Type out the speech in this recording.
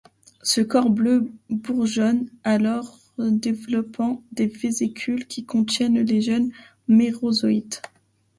Ce corps bleu bourgeonne alors, développant des vésicules qui contiennent les jeunes mérozoïtes.